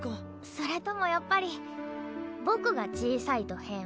それともやっぱり僕が小さいと変？